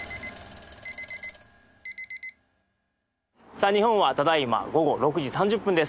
さあ日本はただいま午後６時３０分です。